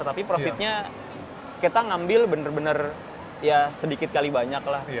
tapi profitnya kita ngambil benar benar sedikit kali banyak